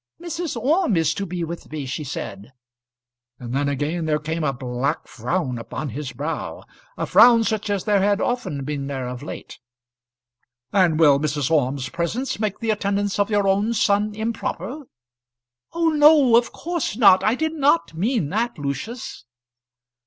"Mrs. Orme is to be with me," she said. Then again there came a black frown upon his brow, a frown such as there had often been there of late. "And will Mrs. Orme's presence make the attendance of your own son improper?" "Oh, no; of course not. I did not mean that, Lucius."